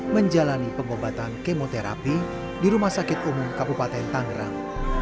menjalani pengobatan kemoterapi di rumah sakit umum kabupaten tangerang